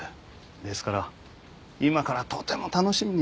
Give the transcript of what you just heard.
ですから今からとても楽しみにしてるんです